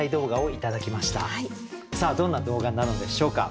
さあどんな動画なのでしょうか。